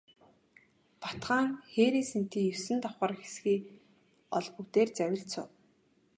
Бат хаан хээрийн сэнтий есөн давхар эсгий олбог дээр завилж суув.